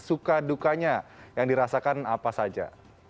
suka dukanya yang dirasakan apa saja